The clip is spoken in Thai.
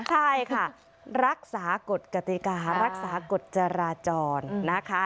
ใช่ค่ะรักษากฎกติการักษากฎจราจรนะคะ